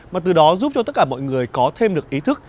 mà từ đó giúp cho tất cả mọi người có thêm được ý thức